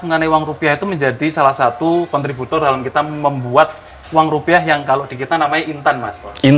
mengenai uang rupiah itu menjadi salah satu kontributor dalam kita membuat uang rupiah yang kalau di kita namanya intan mas